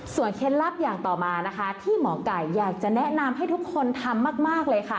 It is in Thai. เคล็ดลับอย่างต่อมานะคะที่หมอไก่อยากจะแนะนำให้ทุกคนทำมากเลยค่ะ